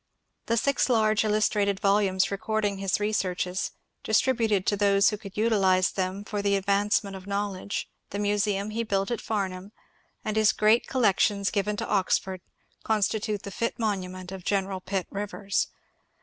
The six large illustrated volumes recording his researches, distributed to those who could utilize them for the advancement of knowledge, the museum he built at Famham, and his great collections given to Oxford, constitute the fit monument of General Pitt Rivers.